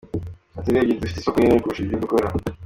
Ati “Urebye dufite isoko rinini kurusha ibyo dukora.